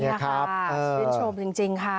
นี่ค่ะชื่นชมจริงค่ะ